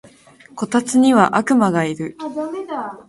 こたつには悪魔がいる